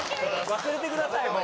忘れてください、もう。